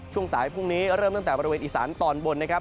ช่วงสายพรุ่งนี้เริ่มตั้งแต่บริเวณอีสานตอนบนนะครับ